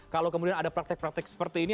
kalau kemudian ada praktik praktik seperti ini